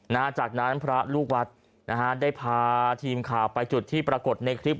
และจากนั้นพระลูกวัดได้พาทีมข่าวไปจุดปรากฏในทริป